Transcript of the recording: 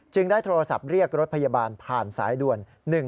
ได้โทรศัพท์เรียกรถพยาบาลผ่านสายด่วน๑๕